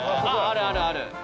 あるあるある。